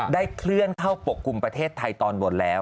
เคลื่อนเข้าปกคลุมประเทศไทยตอนบนแล้ว